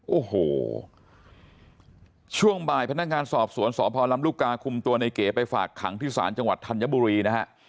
โอ้โหช่วงบ่ายพนักงานสอบสวนสพลำลูกกาคุมตัวในเก๋ไปฝากขังที่ศาลจังหวัดธัญบุรีนะฮะ